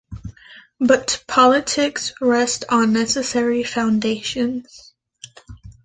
But politics rest on necessary foundations.